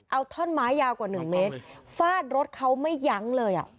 เอาท่อนไม้ยาวกว่าหนึ่งเมตรฟาดรถเขาไม่ยั้งเลยอ่ะ